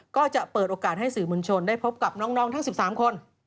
ก็จะเปิดโอกาสให้สื่อมวลชนได้พบกับน้องทั้ง๑๓คน